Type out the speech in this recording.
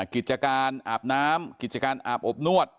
กิจการอาบน้ำกิจการอาบอบนวด